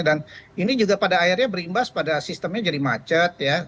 dan ini juga pada akhirnya berimbas pada sistemnya jadi macet ya